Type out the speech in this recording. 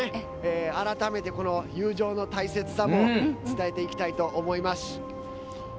改めて友情の大切さも伝えていきたいと思います。